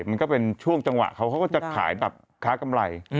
มันก็เป็นช่วงจังหวะเขาเขาก็จะขายแบบค้ากำไร